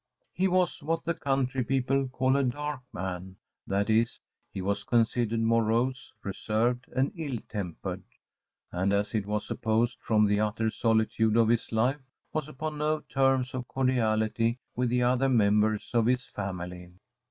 He was what the country people call a dark man; that is, he was considered morose, reserved, and ill tempered; and, as it was supposed from the utter solitude of his life, was upon no terms of cordiality with the other members of his family.